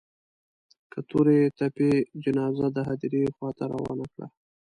که تورې تپې جنازه د هديرې خوا ته روانه کړه.